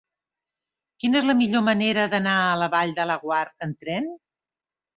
Quina és la millor manera d'anar a la Vall de Laguar amb tren?